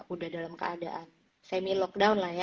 udah dalam keadaan semi lockdown lah ya